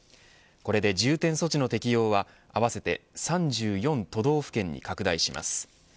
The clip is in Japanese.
これで重点措置の適用は合わせて３４都道府県に拡大します。